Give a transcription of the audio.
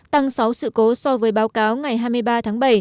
tăng sáu sự cố so với báo cáo ngày hai mươi ba tháng bảy